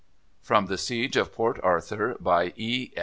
From "The Siege of Port Arthur," by E.